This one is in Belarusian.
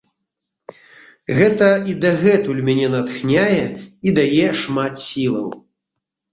Гэта і дагэтуль мяне натхняе і дае шмат сілаў.